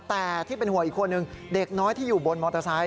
แต่ที่เป็นห่วงอีกคนนึงเด็กน้อยที่อยู่บนมอเตอร์ไซค